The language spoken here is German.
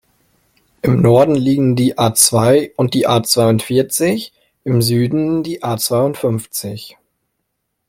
Im Norden liegen die A-zwei und die A-zweiundvierzig, im Süden die A-zweiundfünfzig.